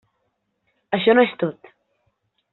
Això no és tot.